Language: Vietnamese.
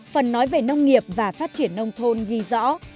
phần nói về nông nghiệp và phát triển nông thôn ghi rõ